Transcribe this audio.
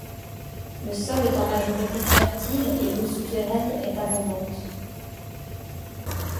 Le sol est en majorité fertile et l’eau souterraine est abondante.